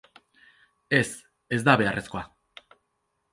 Ez, ez da beharrezkoa.